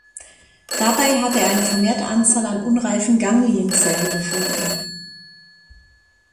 Dabei hatte er eine vermehrte Anzahl an unreifen Ganglienzellen gefunden.